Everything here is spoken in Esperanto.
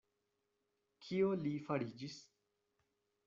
Kio li fariĝis?